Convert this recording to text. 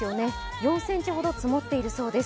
４ｃｍほど積もっているそうです。